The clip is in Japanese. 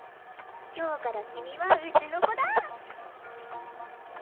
今日から君はうちの子だ！